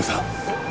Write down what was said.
えっ？